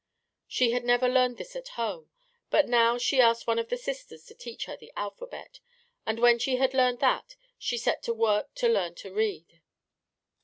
She had never learned this at home, but now she asked one of the Sisters to teach her the alphabet, and when she had learned that, she set to work to learn to read.